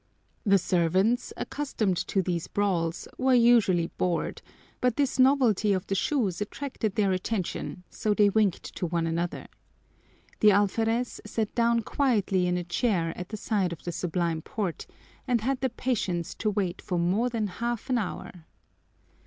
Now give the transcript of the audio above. The servants, accustomed to these brawls, were usually bored, but this novelty of the shoes attracted their attention, so they winked to one another. The alferez sat down quietly in a chair at the side of the Sublime Port and had the patience to wait for more than half an hour.